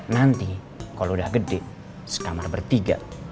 nanti kalau udah gede sekamar bertiga